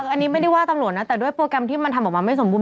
อันนี้ไม่ได้ว่าตำรวจนะแต่ด้วยโปรแกรมที่มันทำออกมาไม่สมบูร